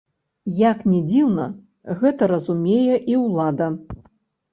Як ні дзіўна, гэта разумее і ўлада.